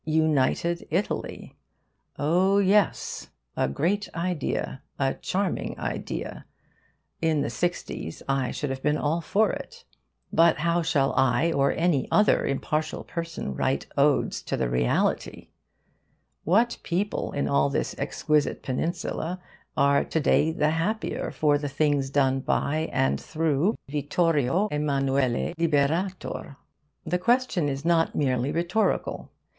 'United Italy' oh yes, a great idea, a charming idea: in the 'sixties I should have been all for it. But how shall I or any other impartial person write odes to the reality? What people in all this exquisite peninsula are to day the happier for the things done by and through Vittorio Emmanuele Liberator? The question is not merely rhetorical.